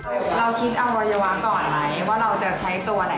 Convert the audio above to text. เราคิดอวัยวะก่อนอะไร